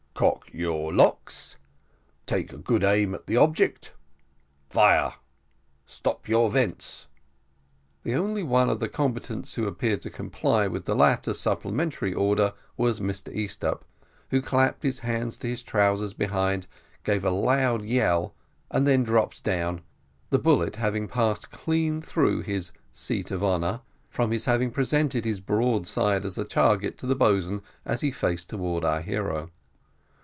"Cock your locks!" "Take good aim at the object!" "Fire!" "Stop your vents!" The only one of the combatants who appeared to comply with the latter supplementary order was Mr Easthupp, who clapped his hand to his trousers behind, gave a loud yell, and then dropped down: the bullet having passed clean through his seat of honour, from his having presented his broadside as a target to the boatswain as he faced towards our hero.